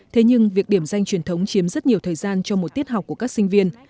thế nhưng việc điểm danh truyền thống chiếm rất nhiều thời gian cho một tiết học của các sinh viên